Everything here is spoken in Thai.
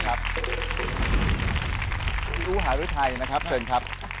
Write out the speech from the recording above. คุณอูหารุทัยนะครับเชิญครับ